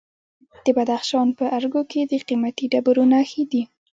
د بدخشان په ارګو کې د قیمتي ډبرو نښې دي.